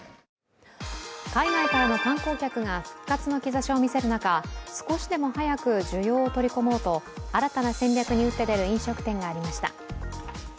海外からの観光客が復活の兆しを見せる中、少しでも早く需要を取り込もうと新たな戦略に打って出る飲食店がありました。